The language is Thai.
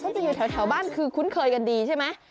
จะอยู่แถวบ้านคือคุ้นเคยกันดีใช่ไหม